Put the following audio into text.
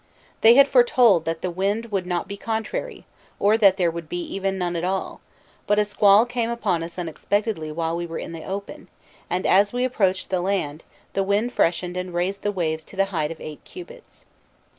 They had foretold that the wind would not be contrary, or that there would be even none at all; but a squall came upon us unexpectedly while we were in the open, and as we approached the land, the wind freshened and raised the waves to the height of eight cubits.